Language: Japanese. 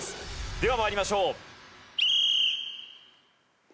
では参りましょう。